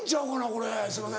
これ「すいません」。